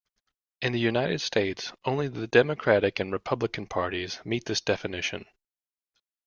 In the United States, only the Democratic and Republican parties meet this definition.